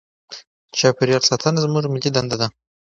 چاپیریال ساتنه زموږ ملي دنده ده.